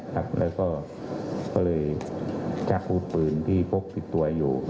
แล้วก็เลยจักรวูดปืนที่พกติดตัวอยู่